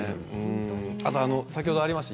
あと先ほどありました